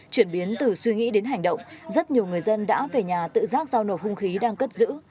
chuyển biến từ suy nghĩ đến hành động rất nhiều người dân đã về nhà tự giác giao nộp hung khí đang cất giữ